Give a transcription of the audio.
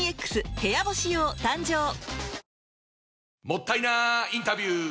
もったいなインタビュー！